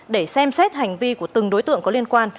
để xem xét hành vi của từng đối tượng có liên quan